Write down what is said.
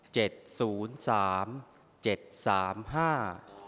ศูนย์สามเจ็ดสามห้า